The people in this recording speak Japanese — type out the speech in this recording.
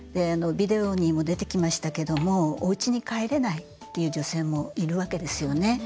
ビデオにも出てきましたけどもおうちに帰れないっていう女性もいるわけですよね。